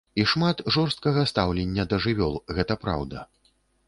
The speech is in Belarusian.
І шмат жорсткага стаўлення да жывёл, гэта праўда.